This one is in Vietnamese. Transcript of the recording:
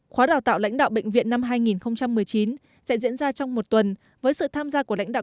khóa đào tạo lãnh đạo bệnh viện năm hai nghìn một mươi chín sẽ diễn ra trong một tuần với sự tham gia của lãnh đạo